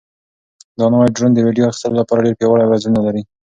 دا نوی ډرون د ویډیو اخیستلو لپاره ډېر پیاوړي وزرونه لري.